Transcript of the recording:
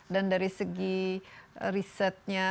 dan dari segi risetnya